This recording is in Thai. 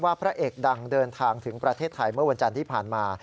พระเอกดังเดินทางถึงประเทศไทยเมื่อวันจันทร์ที่ผ่านมา